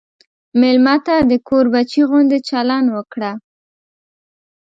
مېلمه ته د کور بچی غوندې چلند وکړه.